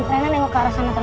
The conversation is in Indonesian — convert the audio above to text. rina liat ke arah sana